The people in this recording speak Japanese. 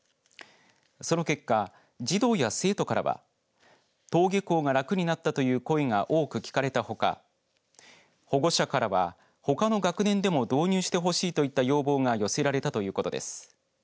その結果、児童や生徒からは登下校が楽になったという声が多く聞かれたほか保護者からはほかの学年でも導入してほしいといった要望が寄せられたということです。